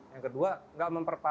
yang kedua nggak memperkosa